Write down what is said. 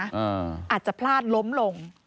อาจจะพลาดล้มลง